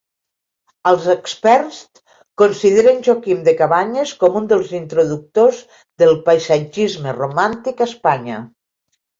Els experts consideren Joaquim de Cabanyes com un dels introductors del paisatgisme romàntic a Espanya.